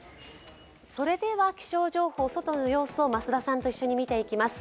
それでは気象情報、外の様子を増田さんと一緒に見ていきます。